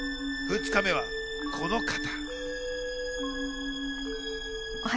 ２日目はこの方。